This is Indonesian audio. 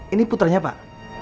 ini putranya pak